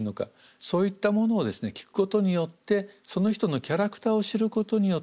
そういったものをですね聞くことによってその人のキャラクターを知ることによってですね